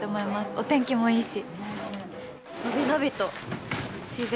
お天気もいいし。